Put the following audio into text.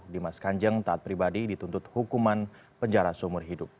dimas kanjeng taat pribadi dituntut hukuman penjara seumur hidup